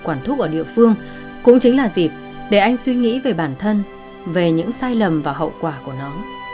quản thuốc ở địa phương cũng chính là dịp để anh suy nghĩ về bản thân về những sai lầm và hậu quả của nó